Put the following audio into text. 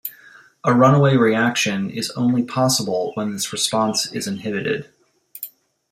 A runaway reaction is only possible when this response is inhibited.